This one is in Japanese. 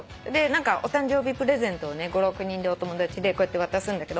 お誕生日プレゼントを５６人でお友達でこうやって渡すんだけど。